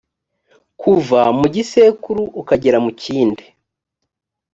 kuva mu gisekuru ukagera mu kindi.